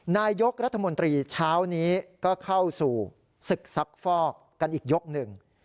นายกรัฐมนตรีเช้านี้ก็เข้าสู่ศึกซักฟอกกันอีกยกหนึ่ง